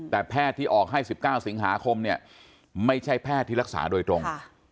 แต่แพทย์ที่ออกให้๑๙สิงหาคมเนี่ยไม่ใช่แพทย์ที่รักษาโดยตรง